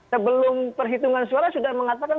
sebelum perhitungan suara sudah mengatakan